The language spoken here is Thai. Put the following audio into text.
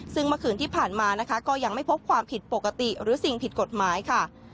ซึ่งเมื่อคืนที่ผ่านมานะคะก็ยังไม่พบความผิดปกติหรือสิ่งผิดกฎหมายค่ะ